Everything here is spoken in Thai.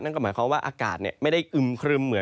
นั่นก็หมายความว่าอากาศไม่ได้อึมครึมเหมือน